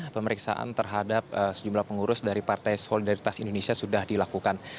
pemeriksaan terhadap sejumlah pengurus dari partai solidaritas indonesia sudah dilakukan